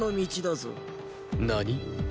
何？